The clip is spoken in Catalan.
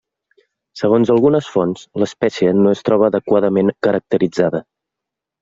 Segons algunes fonts, l'espècie no es troba adequadament caracteritzada.